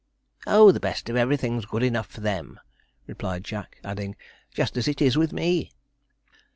'Oh, the best of everything's good enough for them,' replied Jack, adding, 'just as it is with me.'